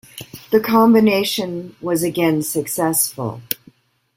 The combination was again successful.